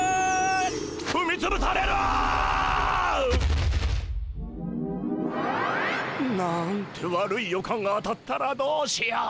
ふみつぶされる！なんて悪い予感が当たったらどうしよう。